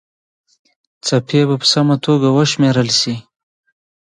څپې به په سمه توګه وشمېرل سي.